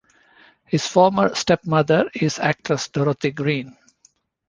His former stepmother is actress Dorothy Green.